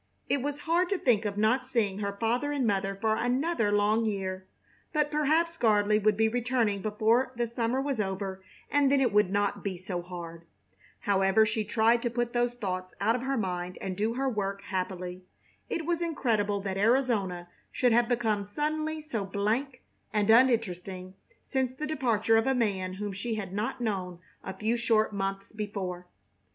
It was hard to think of not seeing her father and mother for another long year, but perhaps Gardley would be returning before the summer was over, and then it would not be so hard. However, she tried to put these thoughts out of her mind and do her work happily. It was incredible that Arizona should have become suddenly so blank and uninteresting since the departure of a man whom she had not known a few short months before.